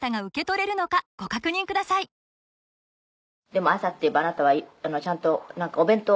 でも朝っていえばあなたはちゃんとお弁当。